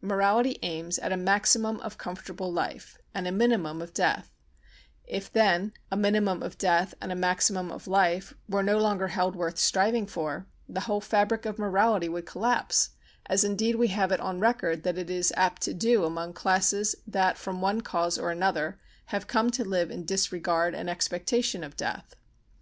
Morality aims at a maximum of comfortable life and a minimum of death; if then, a minimum of death and a maximum of life were no longer held worth striving for, the whole fabric of morality would collapse, as indeed we have it on record that it is apt to do among classes that from one cause or another have come to live in disregard and expectation of death.